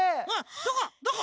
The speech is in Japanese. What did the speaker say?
どこ？